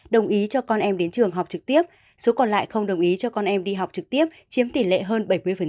đồng ý cho con em đến trường học trực tiếp số còn lại không đồng ý cho con em đi học trực tiếp chiếm tỷ lệ hơn bảy mươi